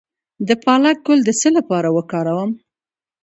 د پالک ګل د څه لپاره وکاروم؟